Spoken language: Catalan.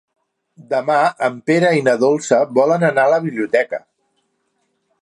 Demà en Pere i na Dolça volen anar a la biblioteca.